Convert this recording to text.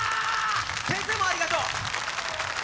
先生もありがとう！